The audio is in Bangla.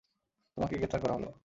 তোমাকে গ্রেফতার করা হল।